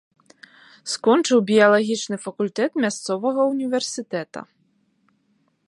Скончыў біялагічны факультэт мясцовага ўніверсітэта.